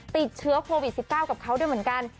ติดเชื้อโควิด๑๙กับเขาด้วยเหมือนกัน